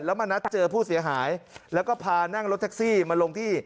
แล้วมานัดเจอผู้เสียหายแล้วก็พานั่งรถแท็กซี่มาลงที่